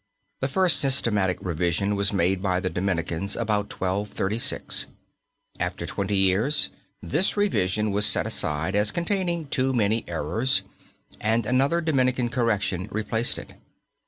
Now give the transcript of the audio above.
The first systematic revision was made by the Dominicans about 1236. After twenty years this revision was set aside as containing too many errors, and another Dominican correction replaced it.